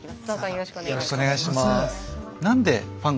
よろしくお願いします。